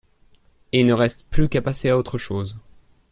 Il ne reste plus qu’à passer à autre chose.